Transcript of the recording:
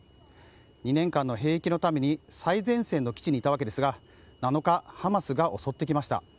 ２年間の兵役のために最前線の基地にいたわけですが７日、ハマスが襲ってきました。